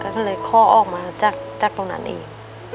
ก็เลยข้อออกมาจากตรงนั้นเอง